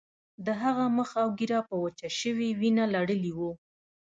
د هغه مخ او ږیره په وچه شوې وینه لړلي وو